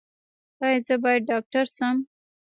ایا زه باید ډاکټر شم؟